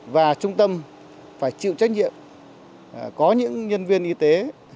và trung tâm phải chịu trách nhiệm có những nhân viên y tế